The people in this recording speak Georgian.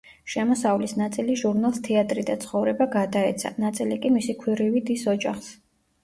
შემოსავლის ნაწილი ჟურნალს „თეატრი და ცხოვრება“ გადაეცა, ნაწილი კი მისი ქვრივი დის ოჯახს.